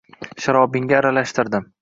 Sharobingga aralashtirdim